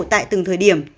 tại từng thời điểm